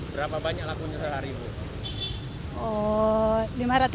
berapa banyak lakunya selera ribu